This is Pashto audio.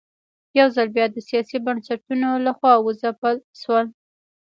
یوځل بیا د سیاسي بنسټونو له خوا وځپل شول.